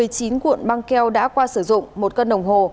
một mươi chín cuộn băng keo đã qua sử dụng một cân đồng hồ